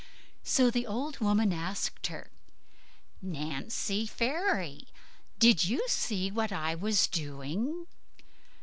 So the old woman asked her, "Nancy Fairy, did you see what I was doing?"